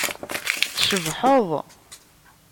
Tcebḥeḍ.